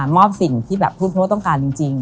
มอบสิ่งที่ผู้บริโภคต้องการจริง